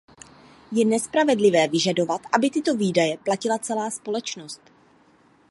Je nespravedlivé vyžadovat, aby tyto výdaje platila celá společnost.